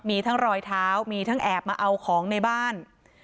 มีทั้งรอยเท้ามีทั้งแอบมาเอาของในบ้าน